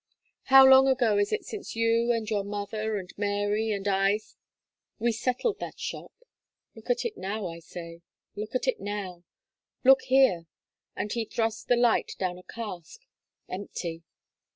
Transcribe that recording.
How long ago is it since you, and your mother, and Mary and I we settled that shop? Look at it now, I say look at it now. Look here!" and he thrust the light down a cask, "empty!